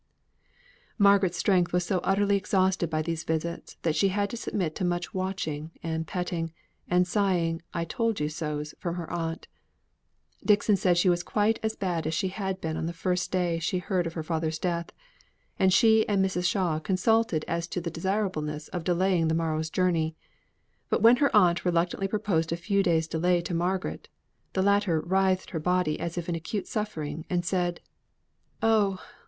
Margaret's strength was so utterly exhausted by these visits, that she had to submit to much watching and petting, and sighing "I told you so's," from her aunt. Dixon said she was quite as bad as she had been on the first day she heard of her father's death; and she and Mrs. Shaw consulted as to the desirableness of delaying the morrow's journey. But when her aunt reluctantly proposed a few days' delay to Margaret, the latter writhed her body as if in acute suffering, and said: "Oh!